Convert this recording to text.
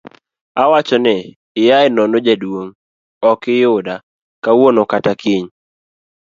awachoni ni iaye nono jaduong',okiyuda kawuono kata kiny